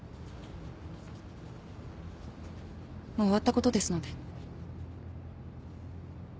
もう終わったことですので。